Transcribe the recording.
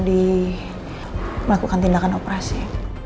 di melakukan tindakan operasi